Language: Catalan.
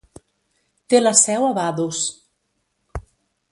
Té la seu a Vaduz.